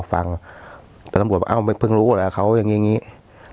ฟังแล้วตำรวจว่าเอ้าเพิ่งรู้แล้วเขายังไงอย่างงี้